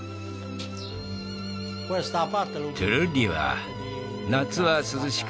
トゥルッリは夏は涼しく